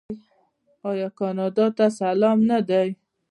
آیا کاناډا ته سلام نه دی؟